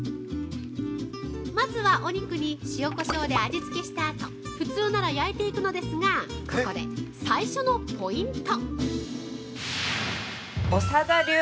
まずは、お肉に塩、こしょうで味付けしたあと普通なら焼いていくのですがここで最初のポイント。